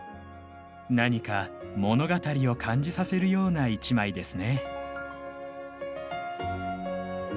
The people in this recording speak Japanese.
何か物語を感じさせるような一枚ですね。